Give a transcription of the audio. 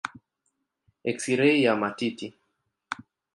Eksirei ya matiti.